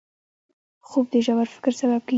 خوب د ژور فکر سبب کېږي